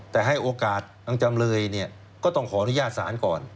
แต่ให้โอกาสทางจำเลยเนี่ยก็ต้องขออนุญาตศาลก่อน